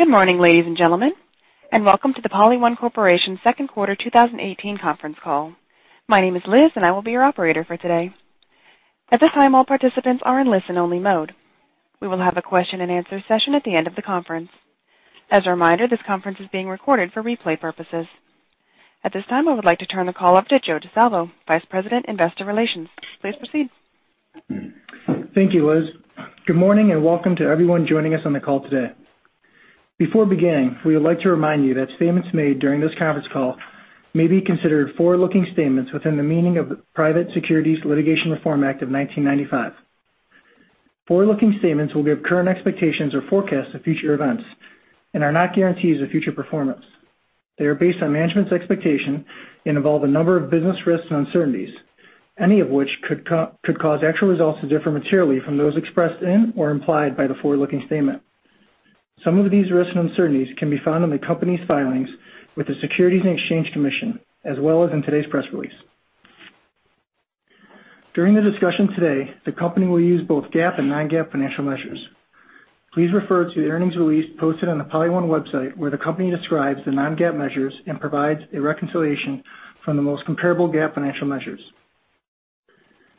Good morning, ladies and gentlemen, and welcome to the PolyOne Corporation second quarter 2018 conference call. My name is Liz and I will be your operator for today. At this time, all participants are in listen-only mode. We will have a question and answer session at the end of the conference. As a reminder, this conference is being recorded for replay purposes. At this time, I would like to turn the call over to Joe DiSalvo, Vice President, Investor Relations. Please proceed. Thank you, Liz. Good morning and welcome to everyone joining us on the call today. Before beginning, we would like to remind you that statements made during this conference call may be considered forward-looking statements within the meaning of the Private Securities Litigation Reform Act of 1995. Forward-looking statements will give current expectations or forecasts of future events and are not guarantees of future performance. They are based on management's expectation and involve a number of business risks and uncertainties, any of which could cause actual results to differ materially from those expressed in or implied by the forward-looking statement. Some of these risks and uncertainties can be found in the company's filings with the Securities and Exchange Commission, as well as in today's press release. During the discussion today, the company will use both GAAP and non-GAAP financial measures. Please refer to the earnings release posted on the PolyOne website, where the company describes the non-GAAP measures and provides a reconciliation from the most comparable GAAP financial measures.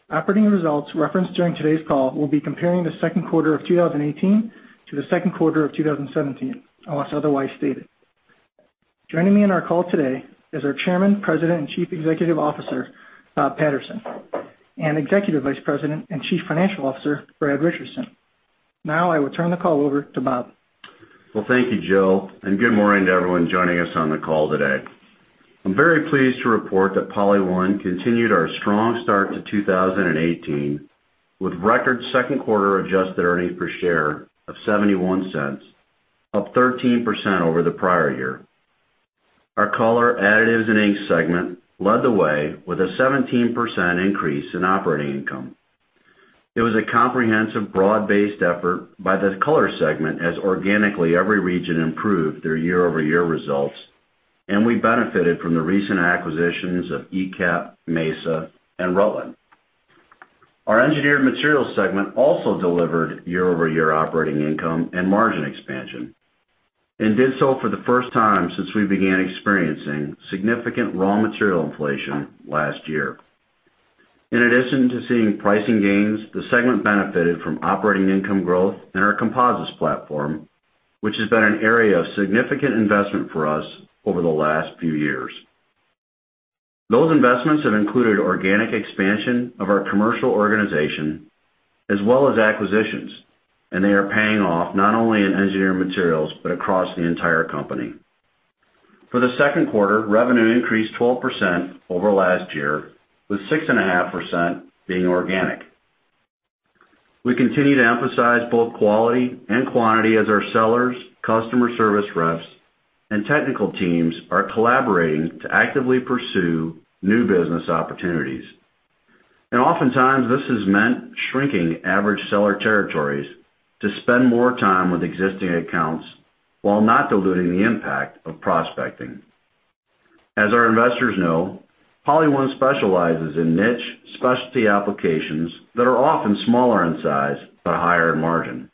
Operating results referenced during today's call will be comparing the second quarter of 2018 to the second quarter of 2017, unless otherwise stated. Joining me in our call today is our Chairman, President, and Chief Executive Officer, Bob Patterson, and Executive Vice President and Chief Financial Officer, Brad Richardson. I will turn the call over to Bob. Thank you, Joe, and good morning to everyone joining us on the call today. I'm very pleased to report that PolyOne continued our strong start to 2018 with record second quarter adjusted earnings per share of $0.71, up 13% over the prior year. Our Color, Additives and Inks segment led the way with a 17% increase in operating income. It was a comprehensive, broad-based effort by the Color segment as organically every region improved their year-over-year results, and we benefited from the recent acquisitions of IQAP, Mesa, and Rutland. Our Engineered Materials segment also delivered year-over-year operating income and margin expansion and did so for the first time since we began experiencing significant raw material inflation last year. In addition to seeing pricing gains, the segment benefited from operating income growth in our composites platform, which has been an area of significant investment for us over the last few years. Those investments have included organic expansion of our commercial organization as well as acquisitions. They are paying off not only in Specialty Engineered Materials, but across the entire company. For the second quarter, revenue increased 12% over last year, with 6.5% being organic. We continue to emphasize both quality and quantity as our sellers, customer service reps, and technical teams are collaborating to actively pursue new business opportunities. Oftentimes this has meant shrinking average seller territories to spend more time with existing accounts while not diluting the impact of prospecting. As our investors know, PolyOne specializes in niche specialty applications that are often smaller in size but higher in margin.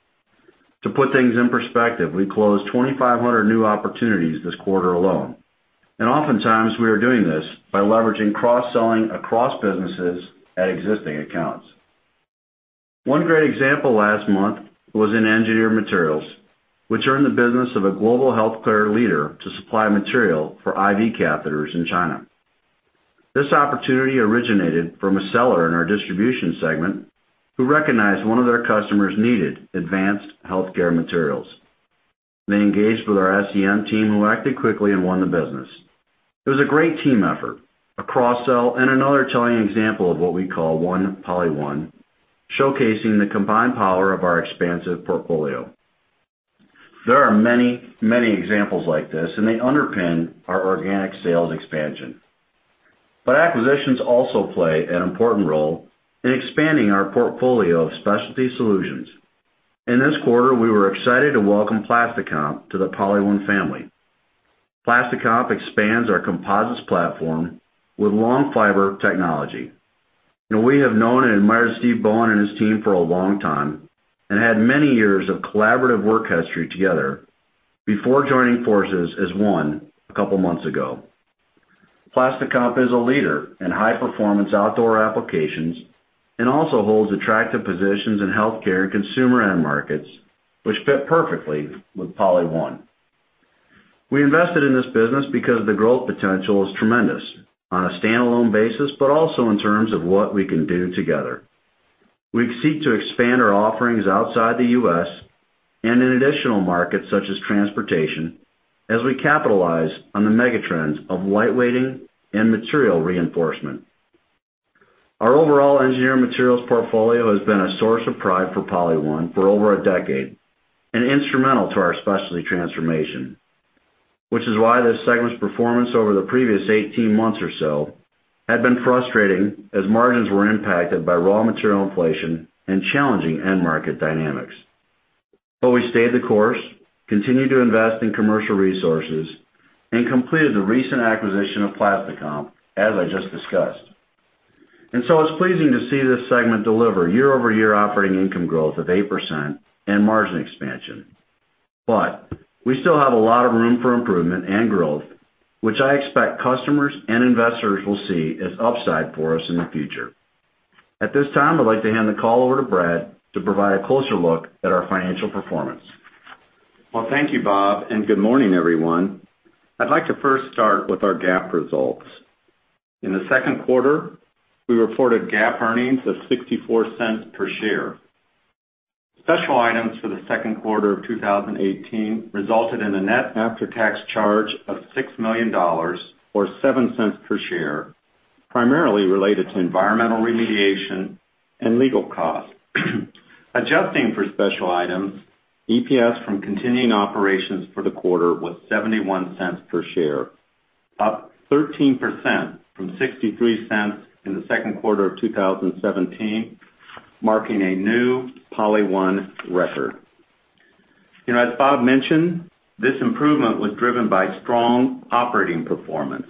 To put things in perspective, we closed 2,500 new opportunities this quarter alone. Oftentimes we are doing this by leveraging cross-selling across businesses at existing accounts. One great example last month was in Specialty Engineered Materials, which earned the business of a global healthcare leader to supply material for IV catheters in China. This opportunity originated from a seller in our distribution segment who recognized one of their customers needed advanced healthcare materials. They engaged with our SEM team, who acted quickly and won the business. It was a great team effort, a cross-sell, and another telling example of what we call One PolyOne, showcasing the combined power of our expansive portfolio. There are many, many examples like this. They underpin our organic sales expansion. Acquisitions also play an important role in expanding our portfolio of specialty solutions. In this quarter, we were excited to welcome PlastiComp to the PolyOne family. PlastiComp expands our composites platform with long fiber technology. We have known and admired Steve Bowen and his team for a long time and had many years of collaborative work history together before joining forces as one a couple of months ago. PlastiComp is a leader in high-performance outdoor applications and also holds attractive positions in healthcare and consumer end markets, which fit perfectly with PolyOne. We invested in this business because the growth potential is tremendous on a standalone basis, but also in terms of what we can do together. We seek to expand our offerings outside the U.S. and in additional markets such as transportation as we capitalize on the mega trends of lightweighting and material reinforcement. Our overall Specialty Engineered Materials portfolio has been a source of pride for PolyOne for over a decade and instrumental to our specialty transformation, which is why this segment's performance over the previous 18 months or so had been frustrating as margins were impacted by raw material inflation and challenging end market dynamics. We stayed the course, continued to invest in commercial resources, and completed the recent acquisition of PlastiComp, as I just discussed. It's pleasing to see this segment deliver year-over-year operating income growth of 8% and margin expansion. We still have a lot of room for improvement and growth, which I expect customers and investors will see as upside for us in the future. At this time, I'd like to hand the call over to Brad to provide a closer look at our financial performance. Well, thank you, Bob, and good morning, everyone. I'd like to first start with our GAAP results. In the second quarter, we reported GAAP earnings of $0.64 per share. Special items for the second quarter of 2018 resulted in a net after-tax charge of $6 million, or $0.07 per share, primarily related to environmental remediation and legal costs. Adjusting for special items, EPS from continuing operations for the quarter was $0.71 per share, up 13% from $0.63 in the second quarter of 2017, marking a new PolyOne record. As Bob mentioned, this improvement was driven by strong operating performance,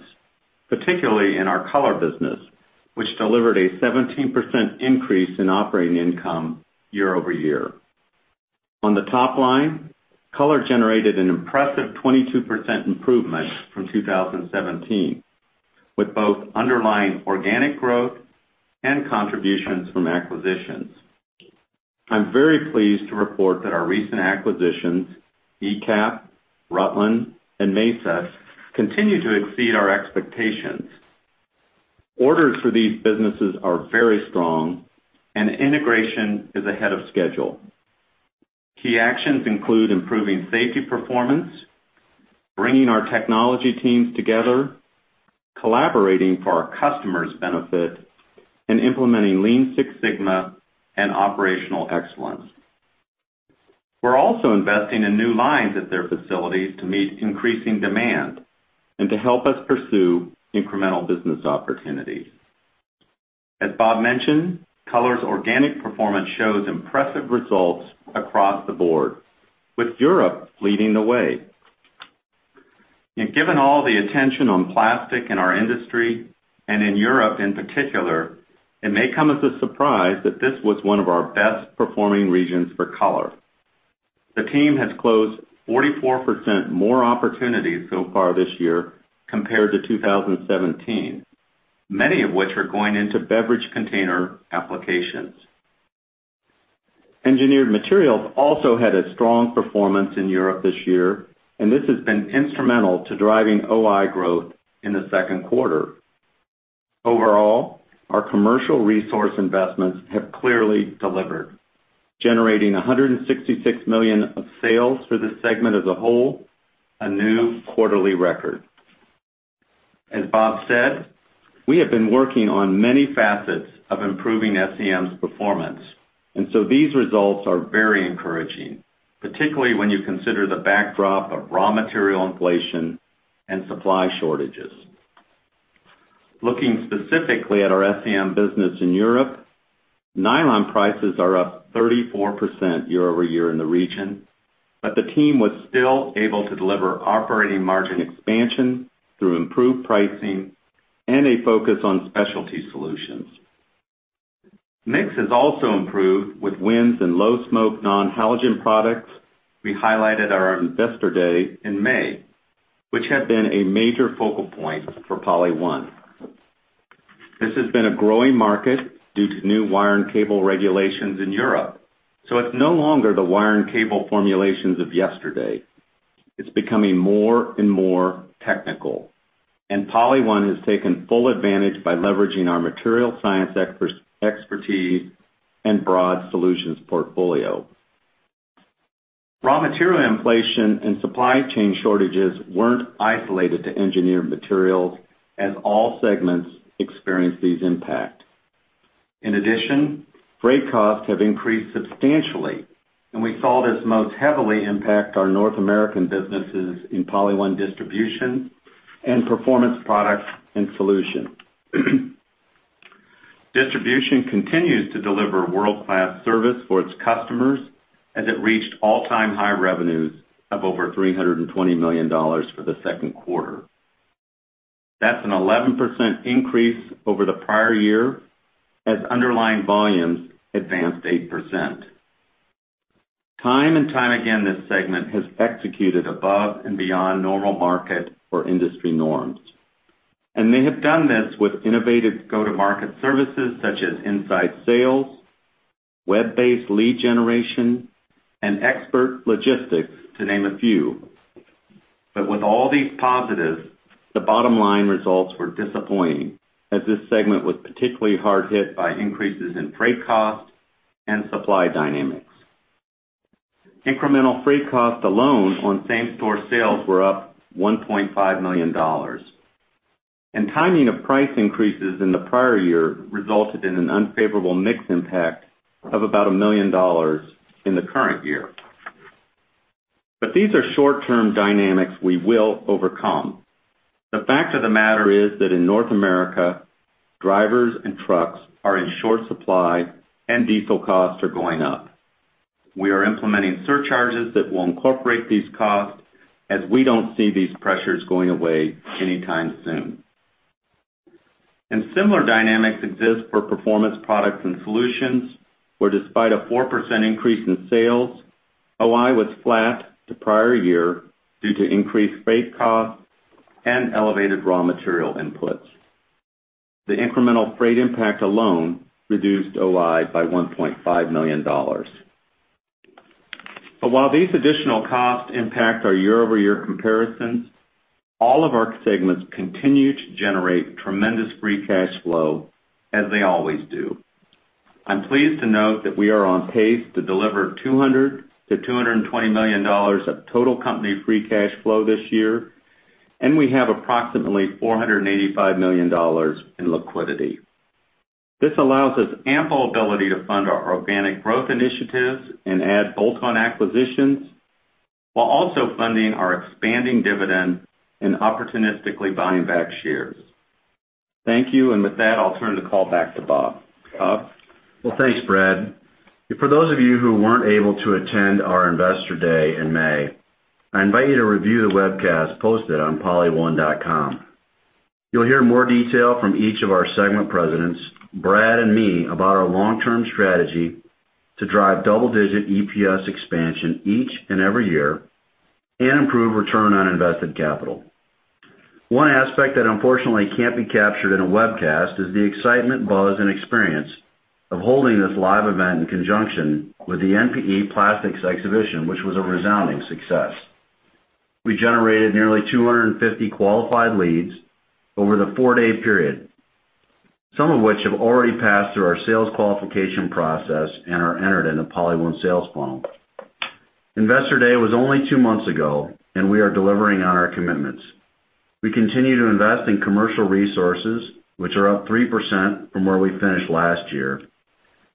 particularly in our Color business, which delivered a 17% increase in operating income year-over-year. On the top line, Color generated an impressive 22% improvement from 2017, with both underlying organic growth and contributions from acquisitions. I'm very pleased to report that our recent acquisitions, IQAP, Rutland, and Mesa, continue to exceed our expectations. Orders for these businesses are very strong, and integration is ahead of schedule. Key actions include improving safety performance, bringing our technology teams together, collaborating for our customers' benefit, and implementing Lean Six Sigma and operational excellence. We're also investing in new lines at their facilities to meet increasing demand and to help us pursue incremental business opportunities. As Bob mentioned, Color's organic performance shows impressive results across the board, with Europe leading the way. Given all the attention on plastic in our industry, and in Europe in particular, it may come as a surprise that this was one of our best-performing regions for Color. The team has closed 44% more opportunities so far this year compared to 2017. Many of which are going into beverage container applications. Specialty Engineered Materials also had a strong performance in Europe this year, and this has been instrumental to driving OI growth in the second quarter. Overall, our commercial resource investments have clearly delivered, generating $166 million of sales for this segment as a whole, a new quarterly record. As Bob said, we have been working on many facets of improving SEM's performance. These results are very encouraging, particularly when you consider the backdrop of raw material inflation and supply shortages. Looking specifically at our SEM business in Europe, nylon prices are up 34% year-over-year in the region, but the team was still able to deliver operating margin expansion through improved pricing and a focus on specialty solutions. Mix has also improved with wins in low-smoke, non-halogen products we highlighted at our Investor Day in May, which had been a major focal point for PolyOne. This has been a growing market due to new wire and cable regulations in Europe. It's no longer the wire and cable formulations of yesterday. It's becoming more and more technical, and PolyOne has taken full advantage by leveraging our material science expertise and broad solutions portfolio. Raw material inflation and supply chain shortages weren't isolated to Specialty Engineered Materials, as all segments experienced these impact. Freight costs have increased substantially, and we saw this most heavily impact our North American businesses in PolyOne distribution and Performance Products and Solutions. Distribution continues to deliver world-class service for its customers as it reached all-time high revenues of over $320 million for the second quarter. That's an 11% increase over the prior year as underlying volumes advanced 8%. Time and time again, this segment has executed above and beyond normal market or industry norms. They have done this with innovative go-to-market services such as inside sales, web-based lead generation, and expert logistics, to name a few. With all these positives, the bottom-line results were disappointing, as this segment was particularly hard hit by increases in freight costs and supply dynamics. Incremental freight costs alone on same-store sales were up $1.5 million. Timing of price increases in the prior year resulted in an unfavorable mix impact of about $1 million in the current year. These are short-term dynamics we will overcome. The fact of the matter is that in North America, drivers and trucks are in short supply, and diesel costs are going up. We are implementing surcharges that will incorporate these costs as we don't see these pressures going away anytime soon. Similar dynamics exist for Performance Products and Solutions, where despite a 4% increase in sales, OI was flat to prior year due to increased freight costs and elevated raw material inputs. The incremental freight impact alone reduced OI by $1.5 million. While these additional costs impact our year-over-year comparisons, all of our segments continue to generate tremendous free cash flow as they always do. I'm pleased to note that we are on pace to deliver $200 million-$220 million of total company free cash flow this year, and we have approximately $485 million in liquidity. This allows us ample ability to fund our organic growth initiatives and add bolt-on acquisitions while also funding our expanding dividend and opportunistically buying back shares. Thank you, and with that, I'll turn the call back to Bob. Bob? Well, thanks, Brad. For those of you who weren't able to attend our Investor Day in May, I invite you to review the webcast posted on polyone.com. You'll hear more detail from each of our segment presidents, Brad, and me about our long-term strategy to drive double-digit EPS expansion each and every year and improve return on invested capital. One aspect that unfortunately can't be captured in a webcast is the excitement, buzz, and experience of holding this live event in conjunction with the NPE Plastics Exhibition, which was a resounding success. We generated nearly 250 qualified leads over the four-day period. Some of which have already passed through our sales qualification process and are entered in the PolyOne sales funnel. Investor Day was only two months ago, we are delivering on our commitments. We continue to invest in commercial resources, which are up 3% from where we finished last year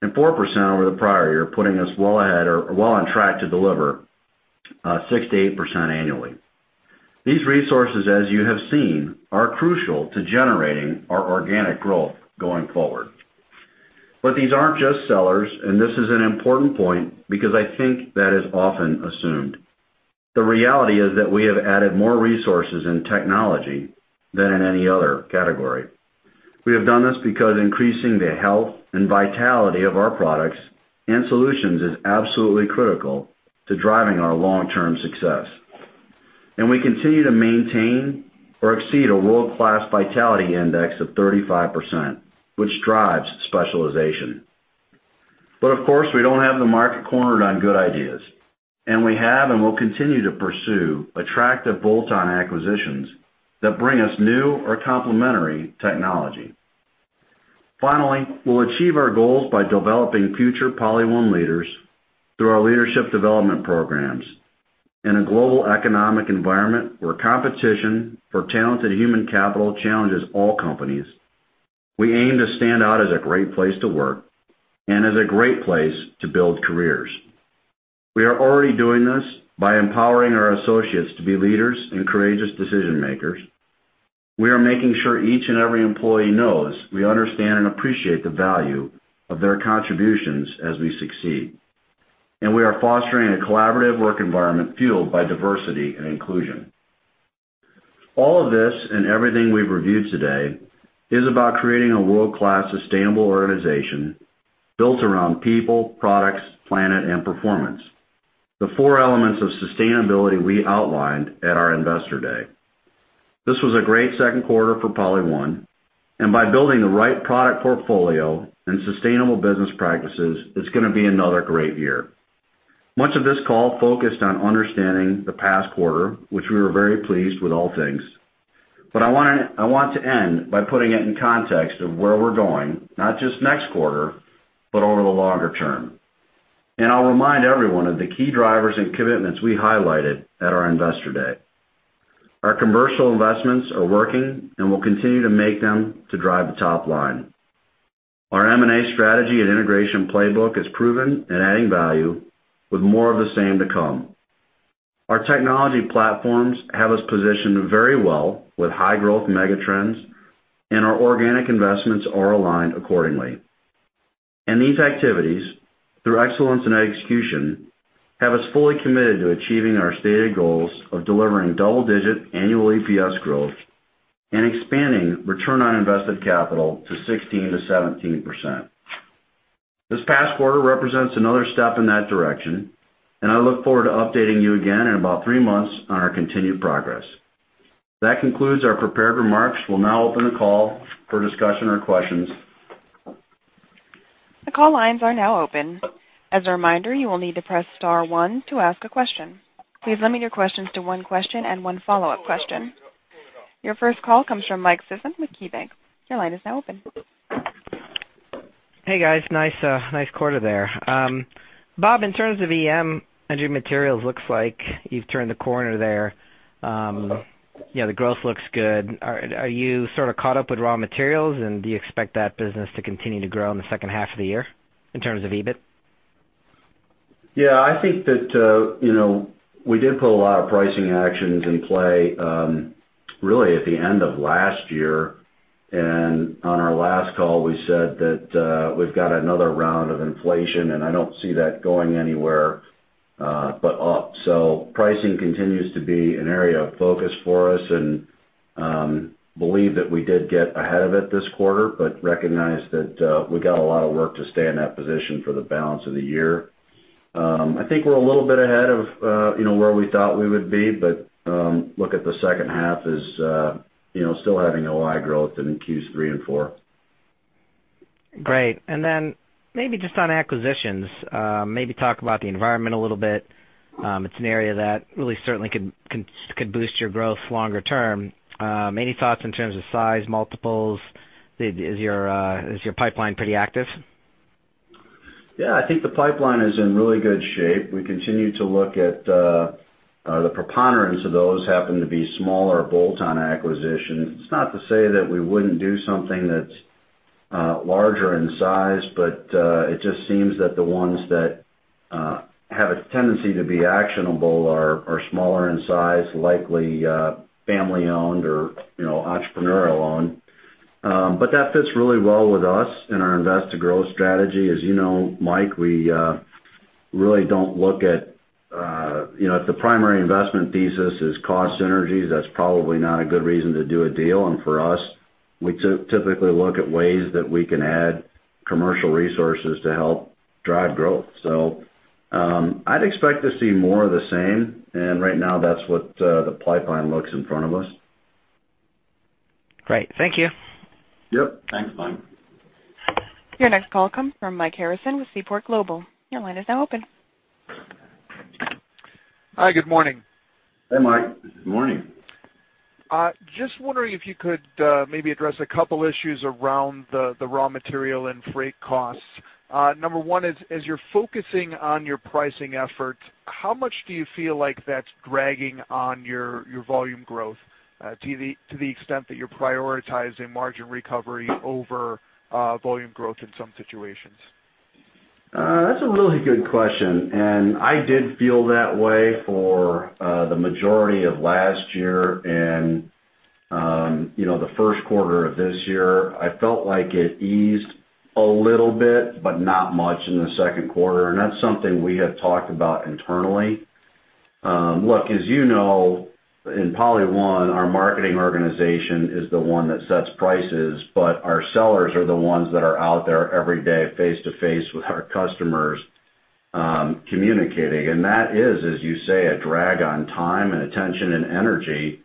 and 4% over the prior year, putting us well on track to deliver 6%-8% annually. These resources, as you have seen, are crucial to generating our organic growth going forward. These aren't just sellers, and this is an important point because I think that is often assumed. The reality is that we have added more resources in technology than in any other category. We have done this because increasing the health and vitality of our products and solutions is absolutely critical to driving our long-term success. We continue to maintain or exceed a world-class vitality index of 35%, which drives specialization. Of course, we don't have the market cornered on good ideas, and we have and will continue to pursue attractive bolt-on acquisitions that bring us new or complementary technology. Finally, we'll achieve our goals by developing future PolyOne leaders through our leadership development programs in a global economic environment where competition for talented human capital challenges all companies. We aim to stand out as a great place to work and as a great place to build careers. We are already doing this by empowering our associates to be leaders and courageous decision-makers. We are making sure each and every employee knows we understand and appreciate the value of their contributions as we succeed. We are fostering a collaborative work environment fueled by diversity and inclusion. All of this and everything we've reviewed today is about creating a world-class, sustainable organization built around people, products, planet, and performance, the four elements of sustainability we outlined at our Investor Day. This was a great second quarter for PolyOne, and by building the right product portfolio and sustainable business practices, it's going to be another great year. Much of this call focused on understanding the past quarter, which we were very pleased with all things. I want to end by putting it in context of where we're going, not just next quarter, but over the longer term. I'll remind everyone of the key drivers and commitments we highlighted at our Investor Day. Our commercial investments are working, and we'll continue to make them to drive the top line. Our M&A strategy and integration playbook is proven and adding value with more of the same to come. Our technology platforms have us positioned very well with high-growth megatrends, and our organic investments are aligned accordingly. These activities, through excellence and execution, have us fully committed to achieving our stated goals of delivering double-digit annual EPS growth and expanding return on invested capital to 16%-17%. This past quarter represents another step in that direction, and I look forward to updating you again in about three months on our continued progress. That concludes our prepared remarks. We'll now open the call for discussion or questions. The call lines are now open. As a reminder, you will need to press star one to ask a question. Please limit your questions to one question and one follow-up question. Your first call comes from Michael Sison with KeyBanc. Your line is now open. Hey, guys. Nice quarter there. Bob, in terms of EM, Engineering Materials, looks like you've turned the corner there. The growth looks good. Are you sort of caught up with raw materials, and do you expect that business to continue to grow in the second half of the year in terms of EBIT? Yeah, I think that we did put a lot of pricing actions in play really at the end of last year. On our last call, we said that we've got another round of inflation, and I don't see that going anywhere. Pricing continues to be an area of focus for us, and believe that we did get ahead of it this quarter, but recognize that we got a lot of work to stay in that position for the balance of the year. I think we're a little bit ahead of where we thought we would be, but look at the second half as still having OI growth in Q3 and 4. Great. Maybe just on acquisitions, maybe talk about the environment a little bit. It's an area that really certainly could boost your growth longer term. Any thoughts in terms of size, multiples? Is your pipeline pretty active? Yeah, I think the pipeline is in really good shape. We continue to look at the preponderance of those happen to be smaller bolt-on acquisitions. It's not to say that we wouldn't do something that's larger in size, but it just seems that the ones that have a tendency to be actionable are smaller in size, likely family owned or entrepreneurial owned. That fits really well with us and our invest to growth strategy. As you know, Mike, if the primary investment thesis is cost synergies, that's probably not a good reason to do a deal. For us, we typically look at ways that we can add commercial resources to help drive growth. I'd expect to see more of the same. Right now, that's what the pipeline looks in front of us. Great. Thank you. Yep. Thanks, Mike. Your next call comes from Mike Harrison with Seaport Global. Your line is now open. Hi, good morning. Hey, Mike. Good morning. Just wondering if you could maybe address a couple issues around the raw material and freight costs. Number one is, as you're focusing on your pricing efforts, how much do you feel like that's dragging on your volume growth to the extent that you're prioritizing margin recovery over volume growth in some situations? That's a really good question. I did feel that way for the majority of last year. The first quarter of this year, I felt like it eased a little bit, but not much in the second quarter. That's something we have talked about internally. Look, as you know, in PolyOne, our marketing organization is the one that sets prices, but our sellers are the ones that are out there every day face to face with our customers communicating. That is, as you say, a drag on time and attention, and energy.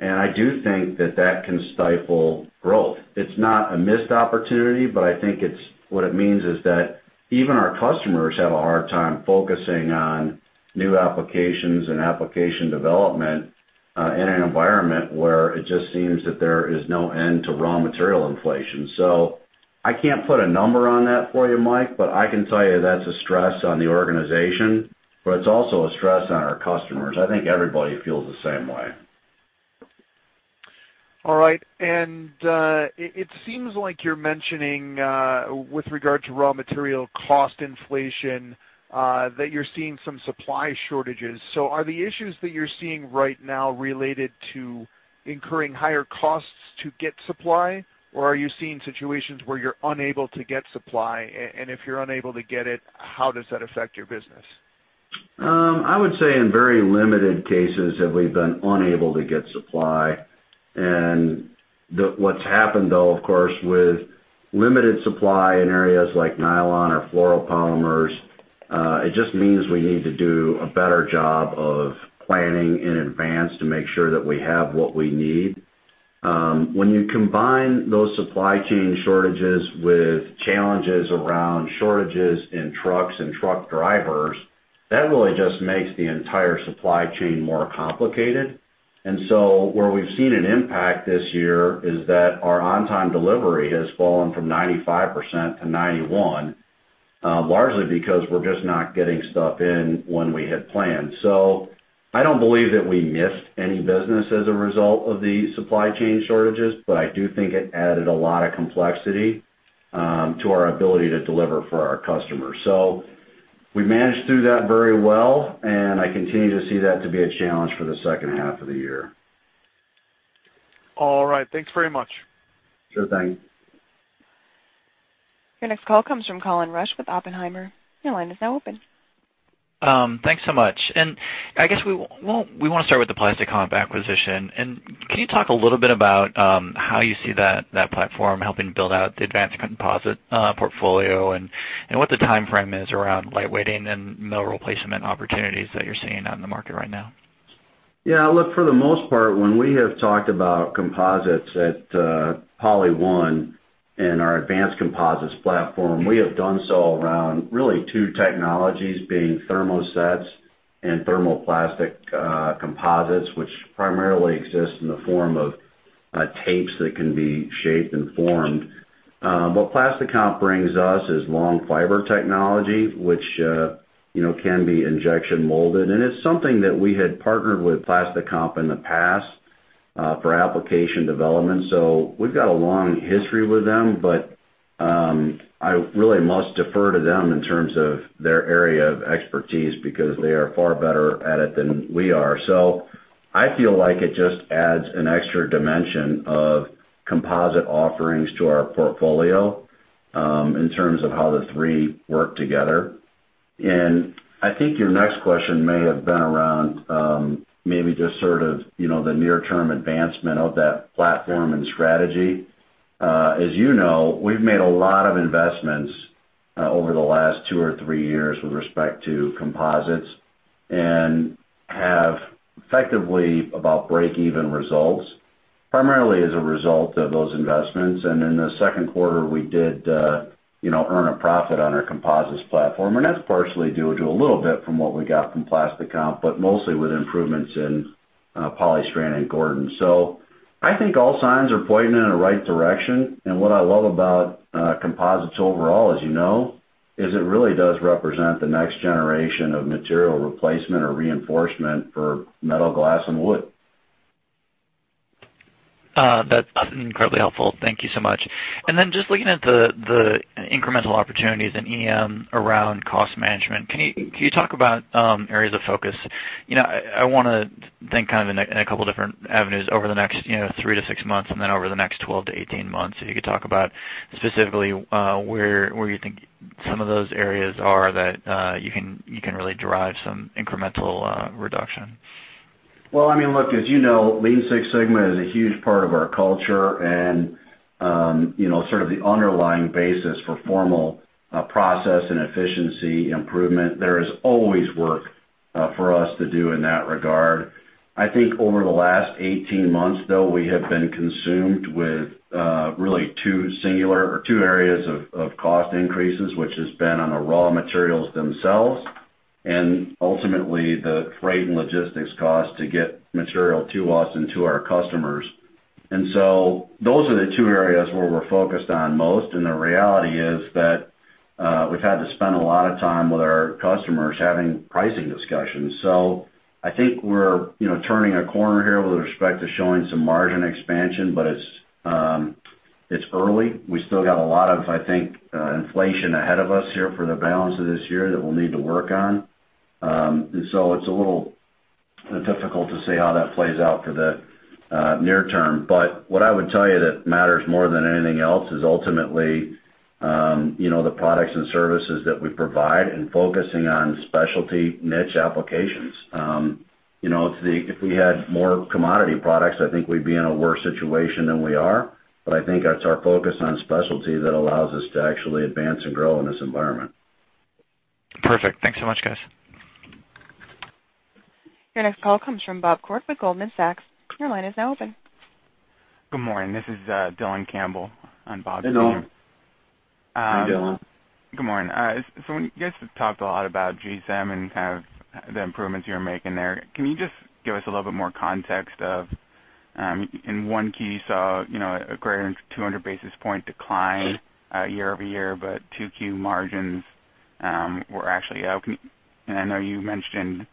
I do think that that can stifle growth. It's not a missed opportunity, but I think what it means is that even our customers have a hard time focusing on new applications and application development, in an environment where it just seems that there is no end to raw material inflation. I can't put a number on that for you, Mike, but I can tell you that's a stress on the organization, but it's also a stress on our customers. I think everybody feels the same way. All right. It seems like you're mentioning, with regard to raw material cost inflation, that you're seeing some supply shortages. Are the issues that you're seeing right now related to incurring higher costs to get supply? Or are you seeing situations where you're unable to get supply? If you're unable to get it, how does that affect your business? I would say in very limited cases have we been unable to get supply. What's happened though, of course, with limited supply in areas like nylon or fluoropolymers, it just means we need to do a better job of planning in advance to make sure that we have what we need. When you combine those supply chain shortages with challenges around shortages in trucks and truck drivers, that really just makes the entire supply chain more complicated. Where we've seen an impact this year is that our on-time delivery has fallen from 95% to 91%, largely because we're just not getting stuff in when we had planned. I don't believe that we missed any business as a result of the supply chain shortages, but I do think it added a lot of complexity to our ability to deliver for our customers. We managed through that very well, and I continue to see that to be a challenge for the second half of the year. All right. Thanks very much. Sure thing. Your next call comes from Colin Rusch with Oppenheimer. Your line is now open. Thanks so much. I guess we want to start with the PlastiComp acquisition. Can you talk a little bit about how you see that platform helping build out the advanced composite portfolio and what the timeframe is around lightweighting and metal replacement opportunities that you're seeing out in the market right now? Look, for the most part, when we have talked about composites at PolyOne and our advanced composites platform, we have done so around really two technologies, being thermosets and thermoplastic composites, which primarily exist in the form of tapes that can be shaped and formed. What PlastiComp brings us is long fiber technology, which can be injection molded. It's something that we had partnered with PlastiComp in the past for application development. We've got a long history with them, I really must defer to them in terms of their area of expertise, because they are far better at it than we are. I feel like it just adds an extra dimension of composite offerings to our portfolio in terms of how the three work together. I think your next question may have been around maybe just sort of the near-term advancement of that platform and strategy. As you know, we've made a lot of investments over the last two or three years with respect to composites and have effectively about break-even results, primarily as a result of those investments. In the second quarter, we did earn a profit on our composites platform, and that's partially due to a little bit from what we got from PlastiComp, but mostly with improvements in Polystrand and Gordon. I think all signs are pointing in the right direction, and what I love about composites overall, as you know, is it really does represent the next generation of material replacement or reinforcement for metal, glass, and wood. That's incredibly helpful. Thank you so much. Just looking at the incremental opportunities in EM around cost management, can you talk about areas of focus? I want to think kind of in a couple different avenues over the next three to six months and then over the next 12-18 months. If you could talk about specifically where you think some of those areas are that you can really derive some incremental reduction. Well, look, as you know, Lean Six Sigma is a huge part of our culture and sort of the underlying basis for formal process and efficiency improvement. There is always work for us to do in that regard. I think over the last 18 months, though, we have been consumed with really two singular or two areas of cost increases, which has been on the raw materials themselves and ultimately the freight and logistics cost to get material to us and to our customers. Those are the two areas where we're focused on most, and the reality is that we've had to spend a lot of time with our customers having pricing discussions. I think we're turning a corner here with respect to showing some margin expansion, but it's early. We still got a lot of, I think, inflation ahead of us here for the balance of this year that we'll need to work on. It's a little difficult to say how that plays out for the near term. What I would tell you that matters more than anything else is ultimately the products and services that we provide and focusing on specialty niche applications. If we had more commodity products, I think we'd be in a worse situation than we are. I think that's our focus on specialty that allows us to actually advance and grow in this environment. Perfect. Thanks so much, guys. Your next call comes from Dylan Campbell with Goldman Sachs. Your line is now open. Good morning. This is Dylan Campbell on for Bob.. Hello. Hi, Dylan. Good morning. When you guys have talked a lot about SEM and kind of the improvements you're making there, can you just give us a little bit more context of, in 1Q you saw a greater than 200 basis point decline year-over-year, but 2Q margins were actually up. I know you mentioned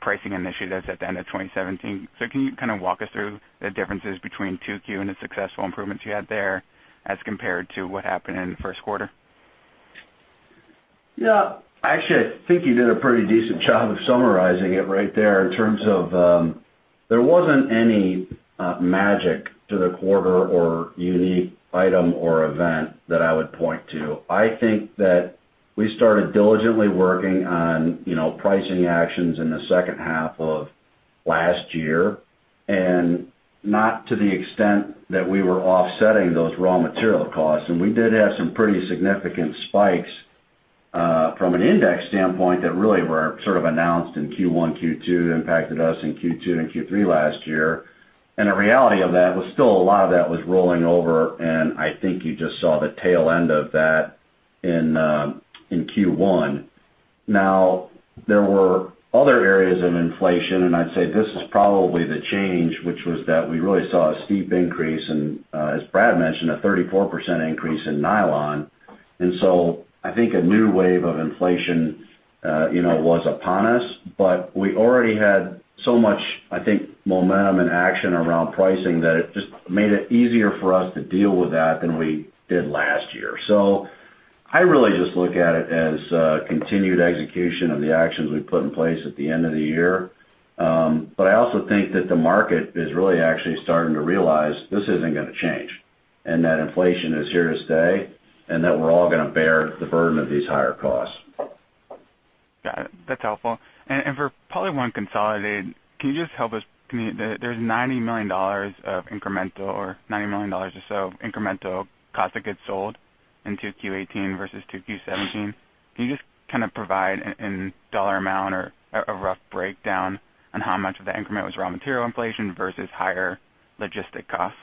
pricing initiatives at the end of 2017. Can you kind of walk us through the differences between 2Q and the successful improvements you had there as compared to what happened in the first quarter? Actually, I think you did a pretty decent job of summarizing it right there in terms of there wasn't any magic to the quarter or unique item or event that I would point to. I think that we started diligently working on pricing actions in the second half of last year, not to the extent that we were offsetting those raw material costs. We did have some pretty significant spikes from an index standpoint that really were sort of announced in Q1, Q2, impacted us in Q2 and Q3 last year. The reality of that was still a lot of that was rolling over, and I think you just saw the tail end of that in Q1. There were other areas of inflation, I'd say this is probably the change, which was that we really saw a steep increase in, as Brad mentioned, a 34% increase in nylon. I think a new wave of inflation was upon us. We already had so much, I think, momentum and action around pricing that it just made it easier for us to deal with that than we did last year. I really just look at it as a continued execution of the actions we put in place at the end of the year. I also think that the market is really actually starting to realize this isn't going to change, and that inflation is here to stay, and that we're all going to bear the burden of these higher costs. Got it. That's helpful. For PolyOne consolidated, can you just help us. There's $90 million of incremental or $90 million or so incremental cost of goods sold in 2Q 2018 versus 2Q 2017. Can you just kind of provide a dollar amount or a rough breakdown on how much of the increment was raw material inflation versus higher logistic costs?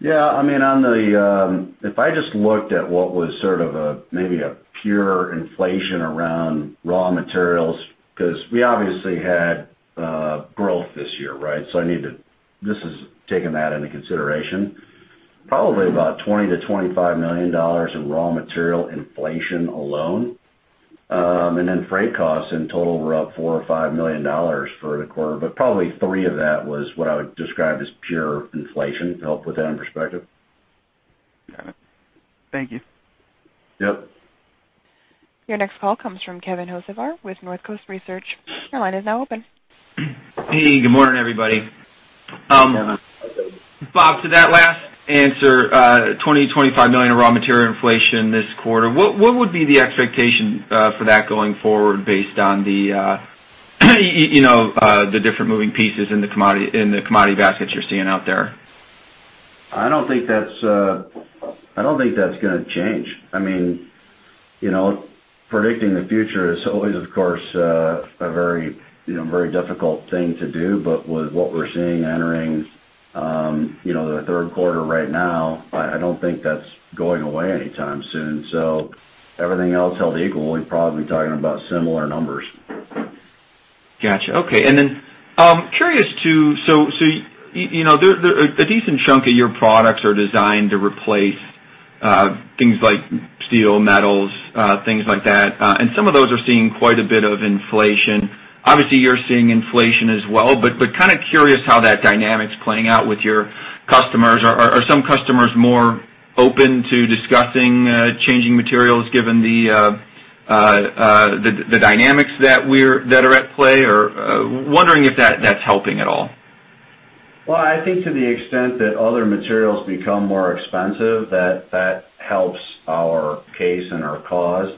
Yeah. If I just looked at what was sort of maybe a pure inflation around raw materials, because we obviously had growth this year, right? This is taking that into consideration. Probably about $20 million-$25 million in raw material inflation alone. Freight costs in total were up $4 million or $5 million for the quarter, but probably $3 million of that was what I would describe as pure inflation to help put that in perspective. Got it. Thank you. Yep. Your next call comes from Kevin Hocevar with Northcoast Research. Your line is now open. Hey, good morning, everybody. Good morning. Bob, to that last answer, $20 to $25 million of raw material inflation this quarter. What would be the expectation for that going forward based on the different moving pieces in the commodity basket you're seeing out there? I don't think that's going to change. Predicting the future is always, of course, a very difficult thing to do, but with what we're seeing entering the third quarter right now, I don't think that's going away anytime soon. Everything else held equal, we're probably talking about similar numbers. Got you. Okay. Curious too, so a decent chunk of your products are designed to replace things like steel, metals, things like that. Some of those are seeing quite a bit of inflation. Obviously, you're seeing inflation as well, but curious how that dynamic's playing out with your customers. Are some customers more open to discussing changing materials given the dynamics that are at play, or wondering if that's helping at all? Well, I think to the extent that other materials become more expensive, that helps our case and our cause.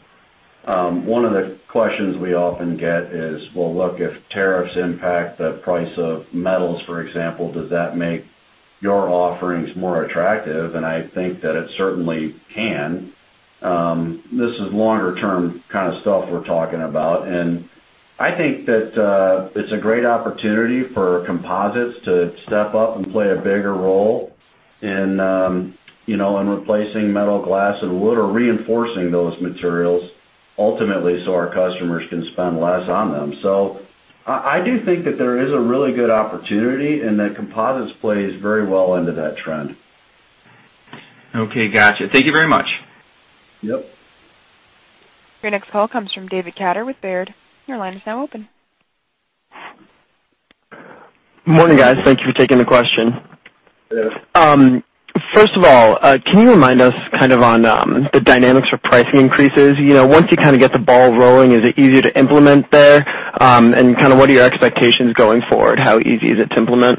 One of the questions we often get is, well, look, if tariffs impact the price of metals, for example, does that make your offerings more attractive? I think that it certainly can. This is longer term kind of stuff we're talking about. I think that it's a great opportunity for composites to step up and play a bigger role in replacing metal, glass, and wood or reinforcing those materials ultimately, so our customers can spend less on them. I do think that there is a really good opportunity and that composites plays very well into that trend. Okay, got you. Thank you very much. Yep. Your next call comes from David Katter with Baird. Your line is now open. Morning, guys. Thank you for taking the question. Yes. First of all, can you remind us on the dynamics for pricing increases? Once you kind of get the ball rolling, is it easier to implement there? What are your expectations going forward? How easy is it to implement?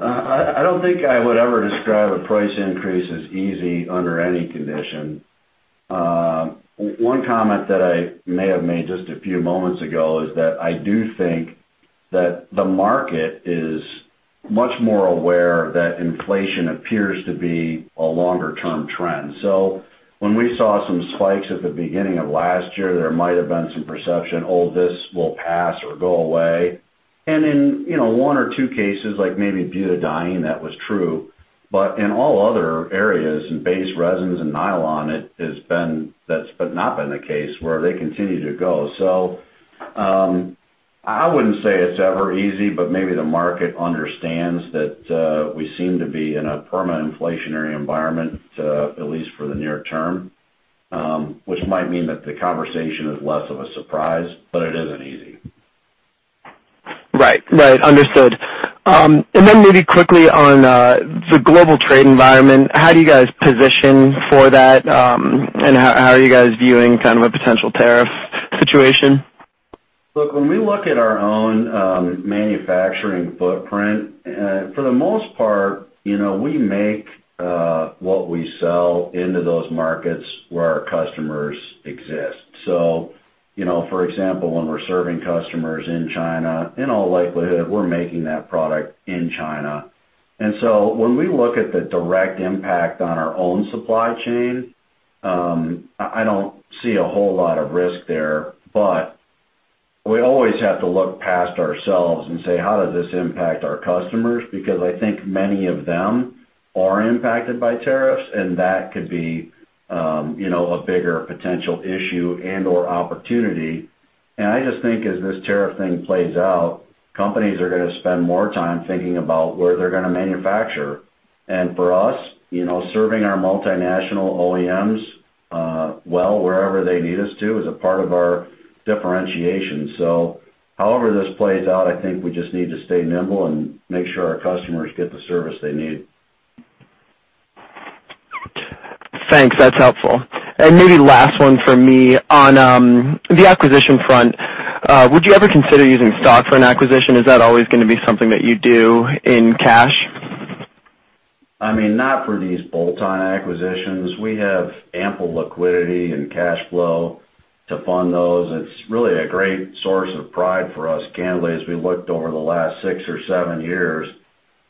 I don't think I would ever describe a price increase as easy under any condition. One comment that I may have made just a few moments ago is that I do think that the market is much more aware that inflation appears to be a longer term trend. When we saw some spikes at the beginning of last year, there might have been some perception, oh, this will pass or go away. In one or two cases, like maybe butadiene, that was true. In all other areas, in base resins and nylon, that's not been the case where they continue to go. I wouldn't say it's ever easy, but maybe the market understands that we seem to be in a permanent inflationary environment, at least for the near term, which might mean that the conversation is less of a surprise, but it isn't easy. Right. Understood. Then maybe quickly on the global trade environment, how do you guys position for that, and how are you guys viewing kind of a potential tariff situation? Look, when we look at our own manufacturing footprint, for the most part, we make what we sell into those markets where our customers exist. For example, when we're serving customers in China, in all likelihood, we're making that product in China. When we look at the direct impact on our own supply chain, I don't see a whole lot of risk there, but we always have to look past ourselves and say, how does this impact our customers? Because I think many of them are impacted by tariffs, and that could be a bigger potential issue and/or opportunity. I just think as this tariff thing plays out, companies are going to spend more time thinking about where they're going to manufacture. For us, serving our multinational OEMs well wherever they need us to is a part of our differentiation. However this plays out, I think we just need to stay nimble and make sure our customers get the service they need. Thanks. That's helpful. Maybe last one from me. On the acquisition front, would you ever consider using stocks for an acquisition? Is that always going to be something that you do in cash? Not for these bolt-on acquisitions. We have ample liquidity and cash flow to fund those. It's really a great source of pride for us, candidly, as we looked over the last six or seven years,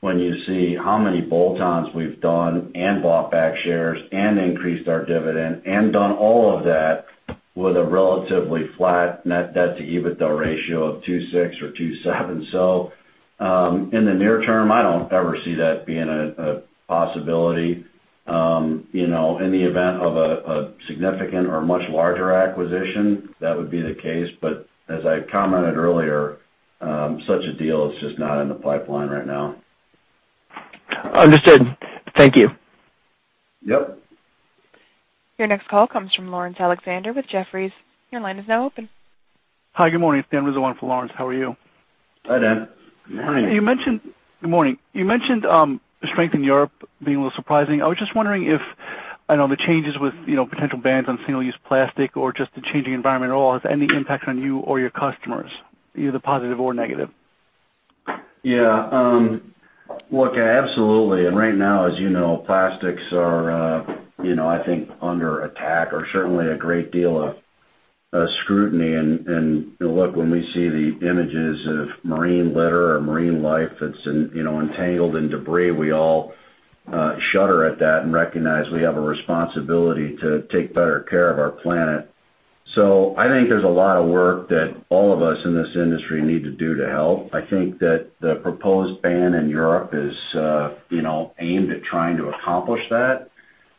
when you see how many bolt-ons we've done and bought back shares and increased our dividend and done all of that with a relatively flat net debt to EBITDA ratio of 2.6 or 2.7. In the near term, I don't ever see that being a possibility. In the event of a significant or much larger acquisition, that would be the case, but as I commented earlier, such a deal is just not in the pipeline right now. Understood. Thank you. Yep. Your next call comes from Dan Rizzi with Jefferies. Your line is now open. Hi, good morning. Dan Rizzi for Laurence, how are you? Hi, Dan. Good morning. Good morning. You mentioned strength in Europe being a little surprising. I was just wondering if, I know the changes with potential bans on single use plastic or just the changing environment at all has any impact on you or your customers, either positive or negative? Look, absolutely. Right now, as you know, plastics are, I think under attack or certainly a great deal of scrutiny. Look, when we see the images of marine litter or marine life that's entangled in debris, we all shudder at that and recognize we have a responsibility to take better care of our planet. I think there's a lot of work that all of us in this industry need to do to help. I think that the proposed ban in Europe is aimed at trying to accomplish that.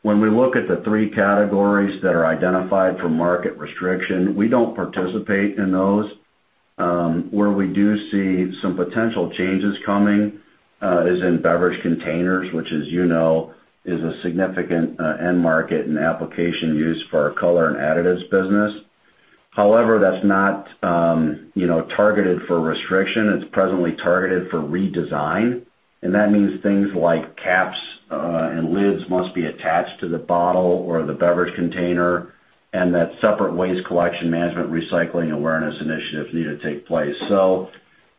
When we look at the three categories that are identified for market restriction, we don't participate in those. Where we do see some potential changes coming is in beverage containers, which as you know, is a significant end market and application use for our Color, Additives and Inks business. However, that's not targeted for restriction, it's presently targeted for redesign. That means things like caps and lids must be attached to the bottle or the beverage container, and that separate waste collection management recycling awareness initiatives need to take place.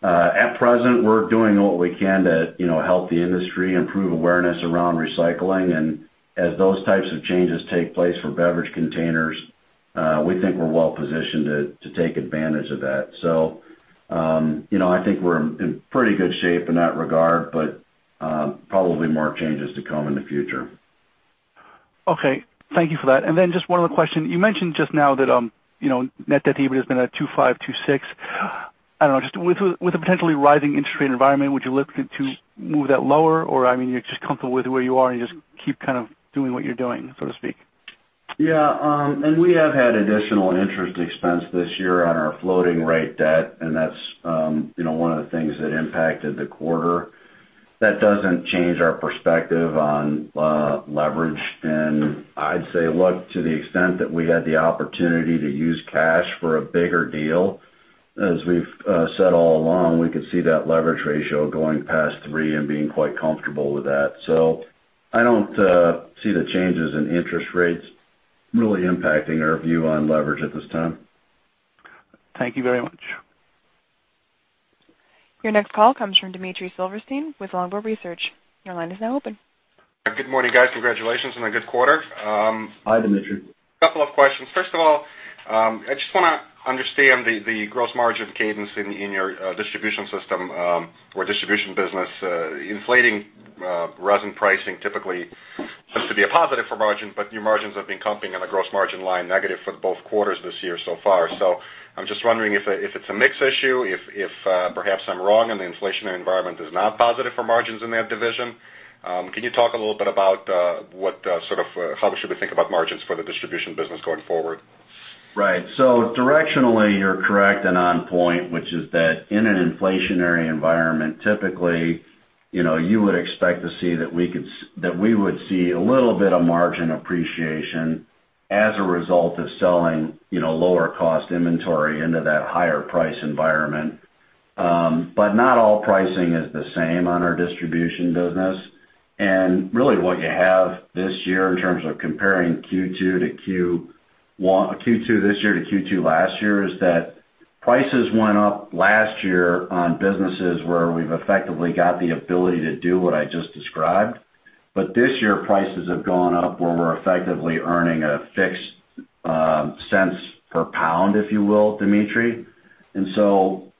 At present, we're doing what we can to help the industry improve awareness around recycling, and as those types of changes take place for beverage containers, we think we're well-positioned to take advantage of that. I think we're in pretty good shape in that regard, but probably more changes to come in the future. Thank you for that. Just one other question. You mentioned just now that net debt EBITDA has been at 2.5, 2.6. I don't know, just with a potentially rising interest rate environment, would you look to move that lower or, I mean, you're just comfortable with where you are and you just keep kind of doing what you're doing, so to speak? We have had additional interest expense this year on our floating rate debt, and that's one of the things that impacted the quarter. That doesn't change our perspective on leverage. I'd say look to the extent that we had the opportunity to use cash for a bigger deal, as we've said all along, we could see that leverage ratio going past three and being quite comfortable with that. I don't see the changes in interest rates really impacting our view on leverage at this time. Thank you very much. Your next call comes from Dmitry Silverstein with Longbow Research. Your line is now open. Good morning, guys. Congratulations on a good quarter. Hi, Dmitry. A couple of questions. First of all, I just wanna understand the gross margin cadence in your distribution system, or distribution business. Inflating resin pricing typically has to be a positive for margin, but your margins have been comping on a gross margin line negative for both quarters this year so far. I'm just wondering if it's a mix issue, if perhaps I'm wrong and the inflationary environment is not positive for margins in that division. Can you talk a little bit about how we should think about margins for the distribution business going forward? Right. Directionally you're correct and on point, which is that in an inflationary environment, typically, you would expect to see that we would see a little bit of margin appreciation as a result of selling lower cost inventory into that higher price environment. Not all pricing is the same on our distribution business. Really what you have this year in terms of comparing Q2 this year to Q2 last year is that prices went up last year on businesses where we've effectively got the ability to do what I just described. This year, prices have gone up where we're effectively earning a fixed cents per pound, if you will, Dmitry. It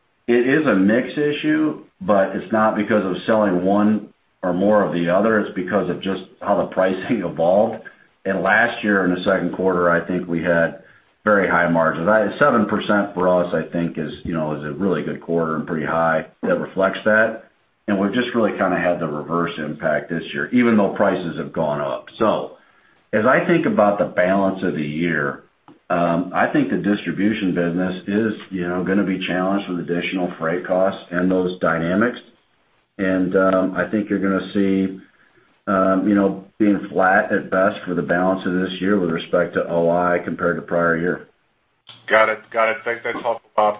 is a mix issue, but it's not because of selling one or more of the other, it's because of just how the pricing evolved. Last year in the second quarter, I think we had very high margins. 7% for us, I think is a really good quarter and pretty high that reflects that, and we've just really had the reverse impact this year, even though prices have gone up. As I think about the balance of the year, I think the distribution business is gonna be challenged with additional freight costs and those dynamics. I think you're gonna see being flat at best for the balance of this year with respect to OI compared to prior year. Got it. Thanks. That's helpful, Bob.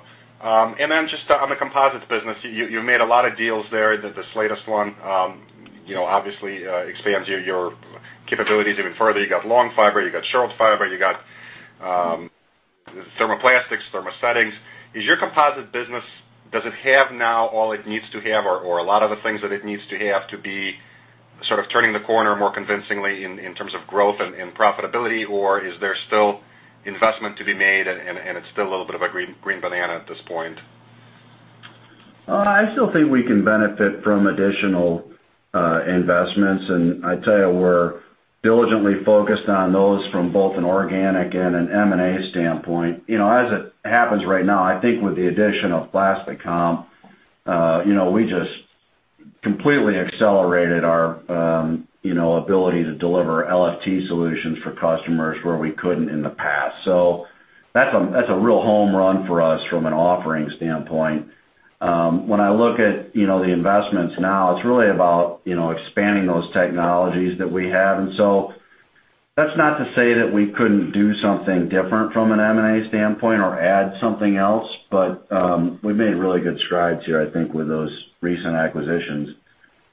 Just on the composites business, you made a lot of deals there. This latest one obviously expands your capabilities even further. You got long fiber, you got short fiber, you got thermoplastics, thermosets. Is your composite business, does it have now all it needs to have or a lot of the things that it needs to have to be sort of turning the corner more convincingly in terms of growth and profitability, or is there still investment to be made and it's still a little bit of a green banana at this point? I still think we can benefit from additional investments, I tell you, we're diligently focused on those from both an organic and an M&A standpoint. As it happens right now, I think with the addition of PlastiComp, we just completely accelerated our ability to deliver LFT solutions for customers where we couldn't in the past. That's a real home run for us from an offering standpoint. When I look at the investments now, it's really about expanding those technologies that we have. That's not to say that we couldn't do something different from an M&A standpoint or add something else, but we've made really good strides here, I think, with those recent acquisitions.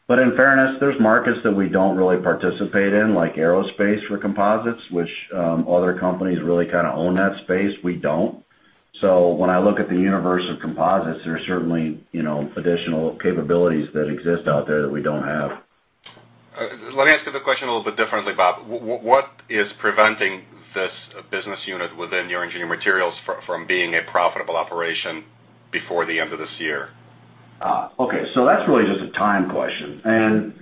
In fairness, there's markets that we don't really participate in, like aerospace for composites, which other companies really kind of own that space. We don't. When I look at the universe of composites, there are certainly additional capabilities that exist out there that we don't have. Let me ask you the question a little bit differently, Bob. What is preventing this business unit within your Specialty Engineered Materials from being a profitable operation before the end of this year? Okay. That's really just a time question.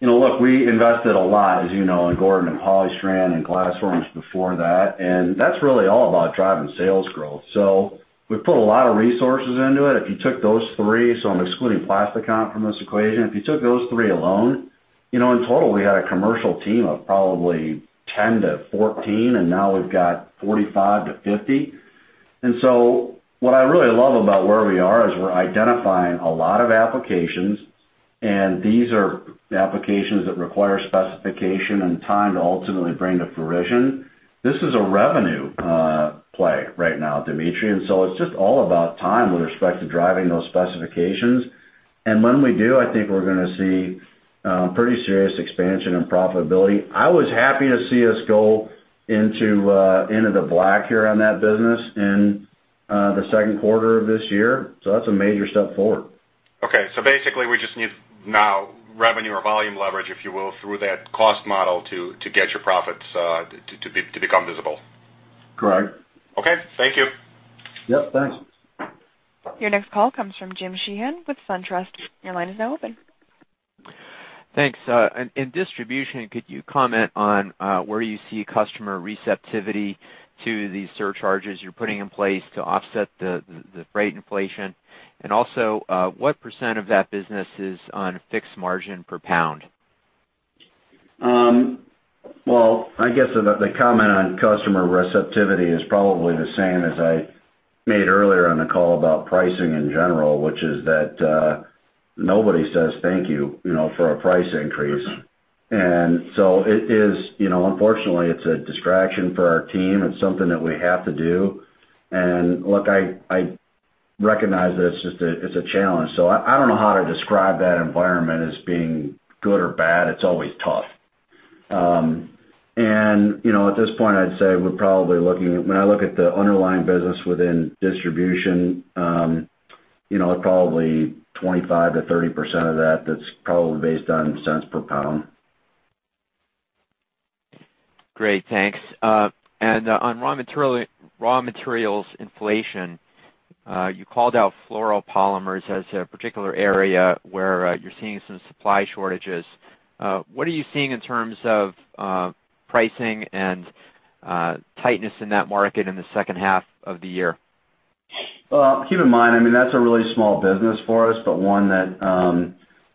Look, we invested a lot, as you know, in Gordon Composites and Polystrand and Glasforms before that's really all about driving sales growth. We put a lot of resources into it. If you took those three, I'm excluding PlastiComp from this equation. If you took those three alone, in total, we had a commercial team of probably 10 to 14, now we've got 45 to 50. What I really love about where we are is we're identifying a lot of applications, these are applications that require specification and time to ultimately bring to fruition. This is a revenue play right now, Dmitry. It's just all about time with respect to driving those specifications. When we do, I think we're going to see pretty serious expansion and profitability. I was happy to see us go into the black here on that business in the second quarter of this year. That's a major step forward. Okay, basically we just need now revenue or volume leverage, if you will, through that cost model to get your profits to become visible. Correct. Okay. Thank you. Yep, thanks. Your next call comes from James M. Sheehan with SunTrust. Your line is now open. Thanks. In distribution, could you comment on where you see customer receptivity to these surcharges you're putting in place to offset the freight inflation? Also, what % of that business is on fixed margin per pound? Well, I guess the comment on customer receptivity is probably the same as I made earlier on the call about pricing in general, which is that nobody says thank you for a price increase. Unfortunately, it's a distraction for our team. It's something that we have to do. Look, I recognize that it's a challenge. I don't know how to describe that environment as being good or bad. It's always tough. At this point, I'd say when I look at the underlying business within distribution, probably 25%-30% of that's probably based on cents per pound. Great, thanks. On raw materials inflation, you called out fluoropolymers as a particular area where you're seeing some supply shortages. What are you seeing in terms of pricing and tightness in that market in the second half of the year? Keep in mind, that's a really small business for us, but one that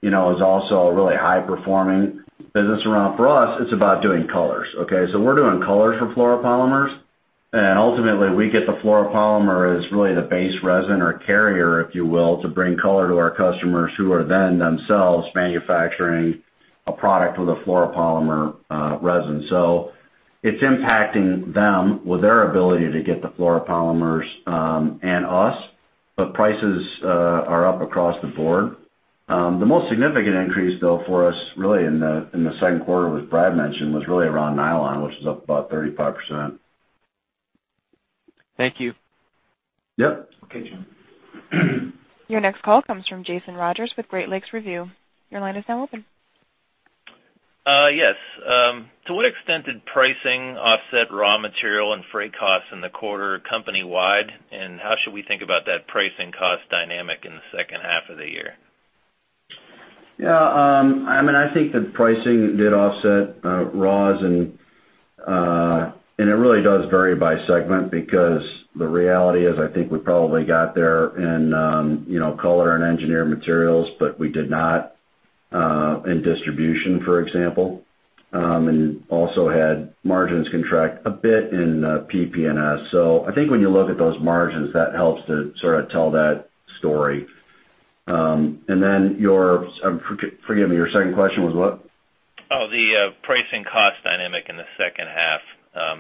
is also a really high performing business. For us, it's about doing colors. Okay? We're doing colors for fluoropolymers, and ultimately we get the fluoropolymer as really the base resin or carrier, if you will, to bring color to our customers who are then themselves manufacturing a product with a fluoropolymer resin. It's impacting them with their ability to get the fluoropolymers, and us. Prices are up across the board. The most significant increase though for us really in the second quarter, as Brad mentioned, was really around nylon, which is up about 35%. Thank you. Yep. Okay, Jim. Your next call comes from Jason Rogers with Great Lakes Review. Your line is now open. Yes. To what extent did pricing offset raw material and freight costs in the quarter company-wide, and how should we think about that pricing cost dynamic in the second half of the year? Yeah. I think the pricing did offset raws, and it really does vary by segment because the reality is, I think we probably got there in Color and Specialty Engineered Materials, but we did not in distribution, for example. Also had margins contract a bit in PP&S. I think when you look at those margins, that helps to sort of tell that story. Then forgive me, your second question was what? Oh, the pricing cost dynamic in the second half.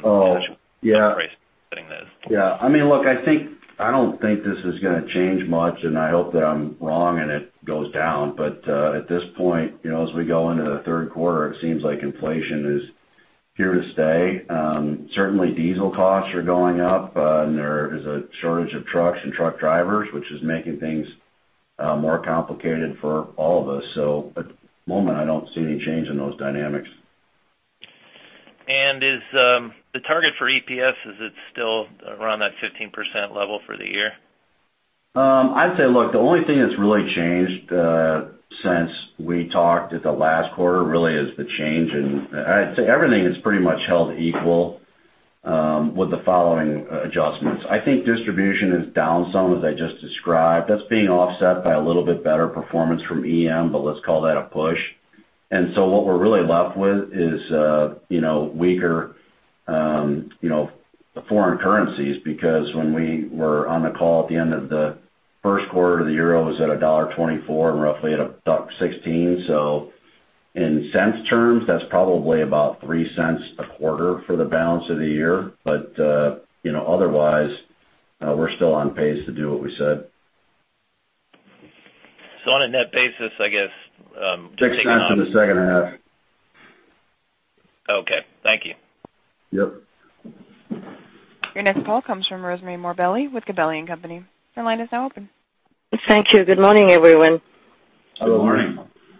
Oh, yeah. pricing is. Look, I don't think this is going to change much, and I hope that I'm wrong and it goes down. At this point, as we go into the third quarter, it seems like inflation is here to stay. Certainly diesel costs are going up. There is a shortage of trucks and truck drivers, which is making things more complicated for all of us. At the moment, I don't see any change in those dynamics. The target for EPS, is it still around that 15% level for the year? I'd say, look, the only thing that's really changed since we talked at the last quarter, really is the change in. I'd say everything is pretty much held equal with the following adjustments. I think distribution is down some, as I just described. That's being offset by a little bit better performance from EM, but let's call that a push. What we're really left with is weaker foreign currencies, because when we were on the call at the end of the first quarter, the euro was at $1.24 and roughly at €1.16. In cents terms, that's probably about $0.03 a quarter for the balance of the year. Otherwise, we're still on pace to do what we said. On a net basis, I guess. $0.06 for the second half. Okay. Thank you. Yep. Your next call comes from Rosemarie Morbelli with Gabelli & Company. Your line is now open. Thank you. Good morning, everyone. Good morning.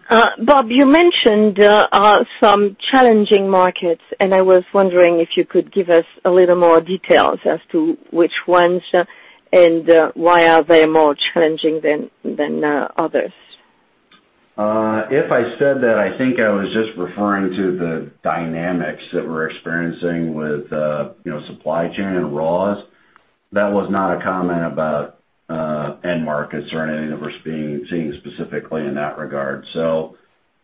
Bob, you mentioned some challenging markets. I was wondering if you could give us a little more details as to which ones and why are they more challenging than others? If I said that, I think I was just referring to the dynamics that we're experiencing with supply chain and raws. That was not a comment about end markets or anything that we're seeing specifically in that regard.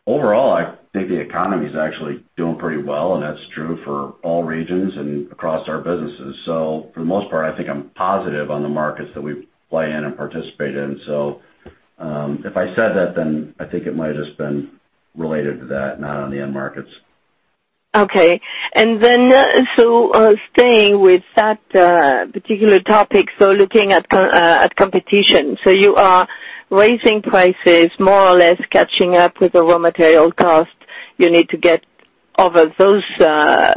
Overall, I think the economy's actually doing pretty well, and that's true for all regions and across our businesses. For the most part, I think I'm positive on the markets that we play in and participate in. If I said that, then I think it might've just been related to that, not on the end markets. Staying with that particular topic, looking at competition. You are raising prices more or less, catching up with the raw material cost you need to get over those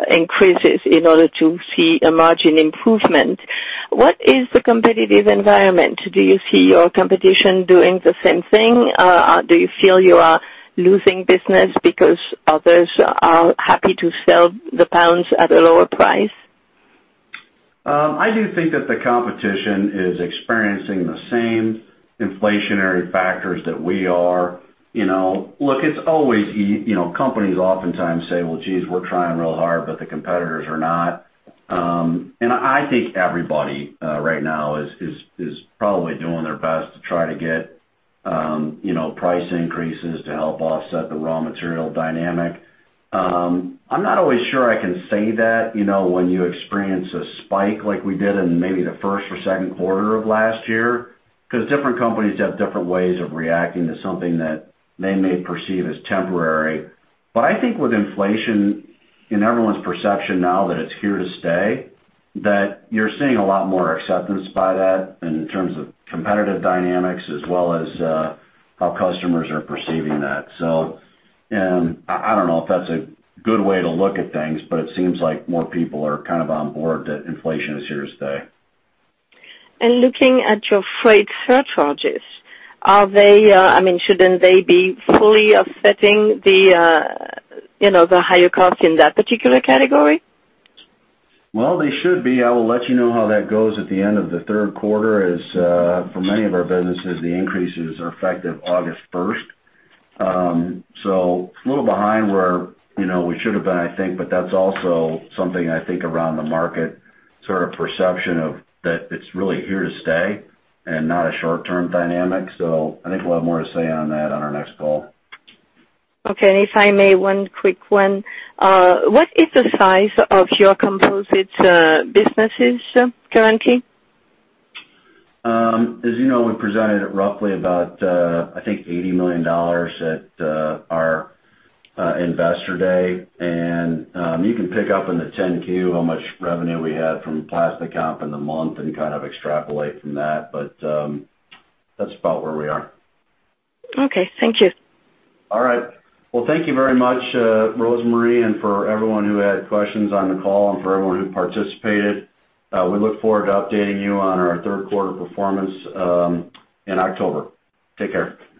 increases in order to see a margin improvement. What is the competitive environment? Do you see your competition doing the same thing? Do you feel you are losing business because others are happy to sell the pounds at a lower price? I do think that the competition is experiencing the same inflationary factors that we are. Look, companies oftentimes say, "Well, geez, we're trying real hard, but the competitors are not." I think everybody right now is probably doing their best to try to get price increases to help offset the raw material dynamic. I'm not always sure I can say that when you experience a spike like we did in maybe the first or second quarter of last year, because different companies have different ways of reacting to something that they may perceive as temporary. I think with inflation in everyone's perception now that it's here to stay, that you're seeing a lot more acceptance by that in terms of competitive dynamics as well as how customers are perceiving that. I don't know if that's a good way to look at things, but it seems like more people are kind of on board that inflation is here to stay. Looking at your freight surcharges, shouldn't they be fully offsetting the higher cost in that particular category? Well, they should be. I will let you know how that goes at the end of the third quarter, as for many of our businesses, the increases are effective August 1st. It's a little behind where we should've been, I think, but that's also something I think around the market sort of perception of that it's really here to stay and not a short-term dynamic. I think we'll have more to say on that on our next call. Okay. If I may, one quick one. What is the size of your composites businesses currently? As you know, we presented it roughly about, I think $80 million at our Investor Day. You can pick up in the 10-Q how much revenue we had from PlastiComp in the month and kind of extrapolate from that. That's about where we are. Okay. Thank you. All right. Well, thank you very much, Rosemarie and for everyone who had questions on the call and for everyone who participated. We look forward to updating you on our third quarter performance in October. Take care.